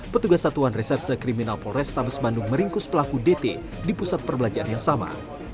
petugas satuan reserse kriminal polrestabes bandung meringkus pelaku dt di pusat perbelanjaan yang sama